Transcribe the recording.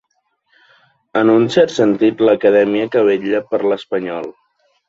En un cert sentit, l'acadèmia que vetlla per l'espanyol.